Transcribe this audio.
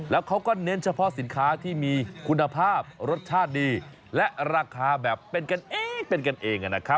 แล้วเขาก็เน้นเฉพาะสินค้าที่มีคุณภาพรสชาติดีและราคาแบบเป็นกันเองเป็นกันเองนะครับ